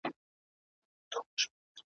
دا لاله دا سره ګلونه ,